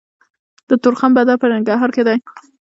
د تورخم بندر په ننګرهار کې دی